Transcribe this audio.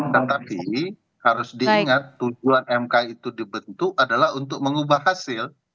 tetapi harus diingat tujuan mk itu dibentuk adalah untuk mengubah hasil